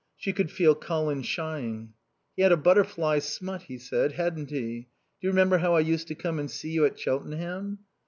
She could feel Colin shying. "He had a butterfly smut," he said. "Hadn't he? ...Do you remember how I used to come and see you at Cheltenham?"